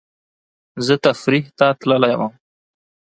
زه تفریح ته تللی وم